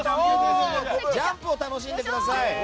ジャンプを楽しんでください。